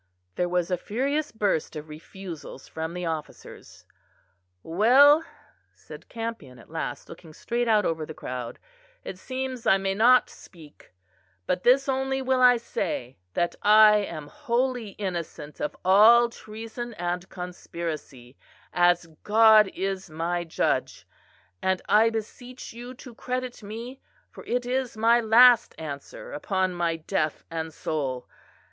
There was a furious burst of refusals from the officers. "Well," said Campion, at last, looking straight out over the crowd, "it seems I may not speak; but this only will I say; that I am wholly innocent of all treason and conspiracy, as God is my judge; and I beseech you to credit me, for it is my last answer upon my death and soul.